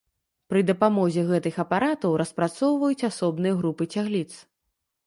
Пры дапамозе гэтых апаратаў распрацоўваюць асобныя групы цягліц.